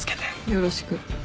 よろしく。